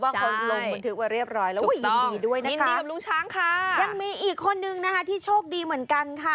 ใช่ถูกต้องวินดีกับรู้ช้างค่ะยังมีอีกคนนึงนะคะที่โชคดีเหมือนกันค่ะ